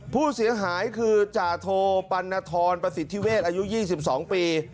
ผู้เสียหายคือจาโทปัณฑรประสิทธิเวศอายุ๒๒ปี